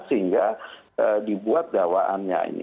sehingga dibuat dawaannya ini